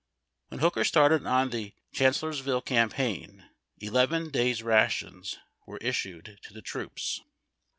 When Hooker started on the Chancellorsville Campaign, eleven days' rations were issued to the troops.